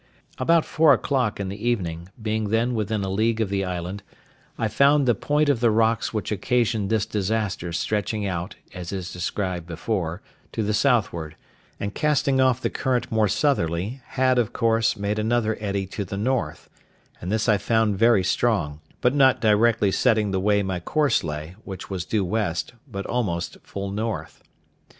About four o'clock in the evening, being then within a league of the island, I found the point of the rocks which occasioned this disaster stretching out, as is described before, to the southward, and casting off the current more southerly, had, of course, made another eddy to the north; and this I found very strong, but not directly setting the way my course lay, which was due west, but almost full north.